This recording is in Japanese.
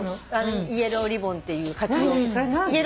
イエローリボンっていう活動。